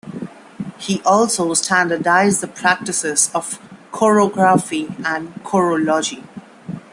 He also standardized the practices of chorography and chorology.